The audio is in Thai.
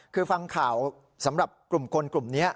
คือฟังข่าวสำหรับกลุ่มคนกลุ่มนี้